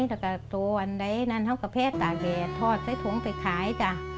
แต่กะตัวอันไหนน่าเขาก็เผ็ดตาหแกดทอดข้ายถุงไปขายจ้า